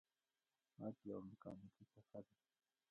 غږ یوه مکانیکي څپه ده.